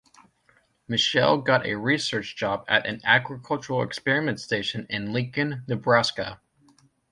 Mitchell got a research job at an Agricultural Experiment Station in Lincoln, Nebraska.